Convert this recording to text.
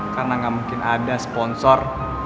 karena gak mungkin ada sponsor